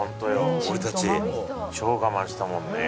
俺たち超我慢したもんね。